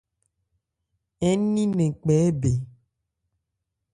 Ń ni nnɛn kpɛ́ bɛn.